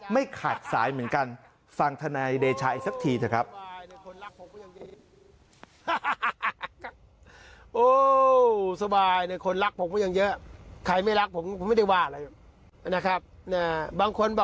ไม่ขาดสายเหมือนกันฟังธนายเดชาอีกสักทีเถอะครับ